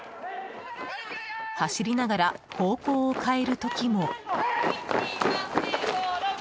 走りながら、方向を変える時も。